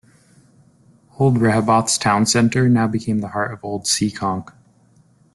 Old Rehoboth's town center now became the heart of Old Seekonk.